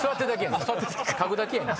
書くだけやねん。